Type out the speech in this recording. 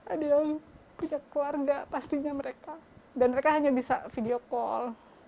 ada yang punya keluarga pastinya mereka dan mereka hanya bisa video call